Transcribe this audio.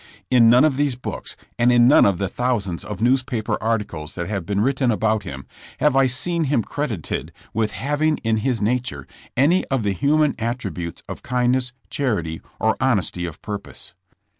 In none of these books, and in none of the thousands of newspaper articles that have been written about him, have I seen him credited with having in his nature any of the human attributes of kindness, charity or honesty of purpose.